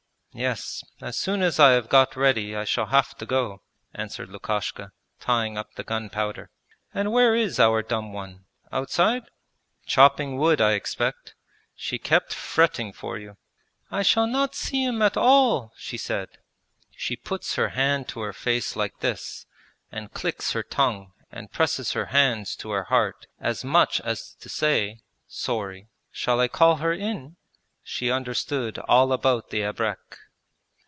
'Yes, as soon as I have got ready I shall have to go,' answered Lukashka, tying up the gunpowder. 'And where is our dumb one? Outside?' 'Chopping wood, I expect. She kept fretting for you. "I shall not see him at all!" she said. She puts her hand to her face like this, and clicks her tongue and presses her hands to her heart as much as to say "sorry." Shall I call her in? She understood all about the abrek.'